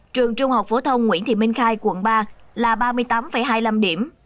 trường trung học phổ thông nguyễn thị minh khai quận ba là ba mươi tám hai mươi năm điểm